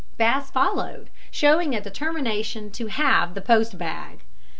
Bass followed, showing a determination to have the post bag.